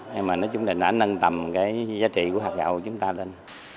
nhưng mà nói chung là đã nâng tầm cái giá trị của hạt gạo của chúng ta lên